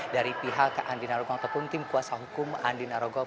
dari pihak andi narogong ataupun tim kuasa hukum andi narogong